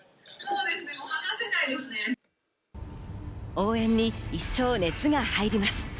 応援に一層、熱が入ります。